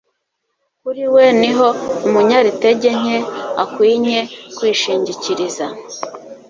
Kuri we niho umunyaritege nke akwinye kwishingikiriza,